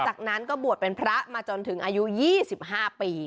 จากนั้นก็บวชเป็นพระมาจนถึงอายุ๒๕ปี